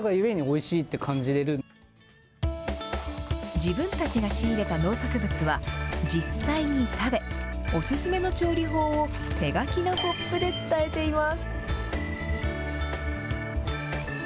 自分たちが仕入れた農作物は、実際に食べ、お勧めの調理法を手書きのポップで伝えています。